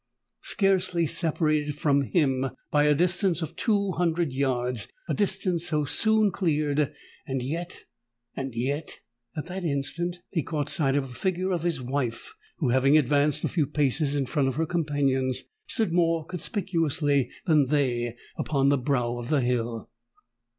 "Scarcely separated from him by a distance of two hundred yards—a distance so soon cleared—and yet—and yet——" At that instant he caught sight of the figure of his wife, who, having advanced a few paces in front of her companions, stood more conspicuously than they upon the brow of the hill.